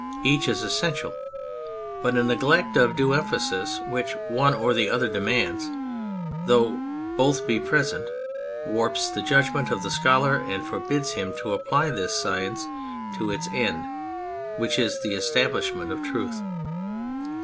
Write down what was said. Each is essential. But a neglect of the due emphasis which one or the other demands, though both be present, warps the judgment of the scholar and forbids him to apply this Lcience to its end, which is the establishment of truth.